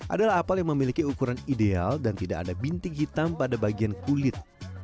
adalah apel yang memiliki ukuran ideal dan tidak ada bintik hitam pada bagian kulit